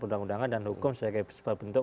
undang undangan dan hukum sebagai sebuah bentuk